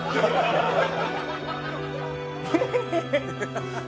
「ハハハハ！」